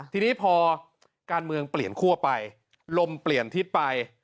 ทีนี้พอการเมืองเปลี่ยนคั่วไปลมเปลี่ยนทิศไป